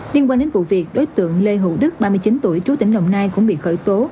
liên quan đến vụ việc đối tượng lê hữu đức ba mươi chín tuổi trú tỉnh đồng nai cũng bị khởi tố